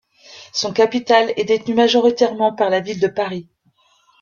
Son capital est détenu majoritairement par la ville de Paris.